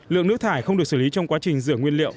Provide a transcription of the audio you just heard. lượng nước thải không được xử lý trong quá trình rửa nguyên liệu